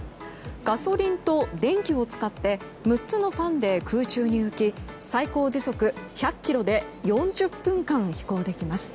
ガソリンと電気を使って６つのファンで空中に浮き最高時速１００キロで４０分間飛行できます。